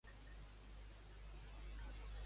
Què fan ell i Hadad?